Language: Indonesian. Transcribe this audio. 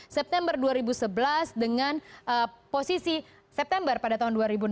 september dua ribu sebelas dengan posisi september pada tahun dua ribu enam belas